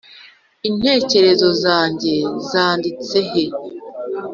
intekerezo zange zanditse he?